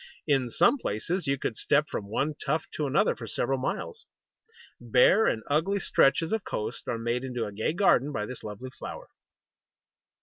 In some places you could step from one tuft to another for several miles. Bare and ugly stretches of coast are made into a gay garden by this lovely flower.